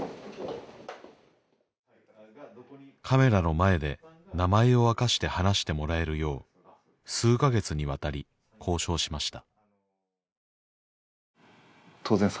カメラの前で名前を明かして話してもらえるよう数か月にわたり交渉しました